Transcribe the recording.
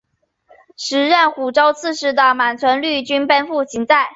时任虢州刺史的满存率军奔赴行在。